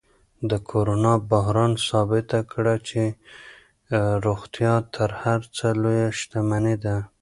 د کرونا بحران ثابت کړه چې روغتیا تر هر څه لویه شتمني ده.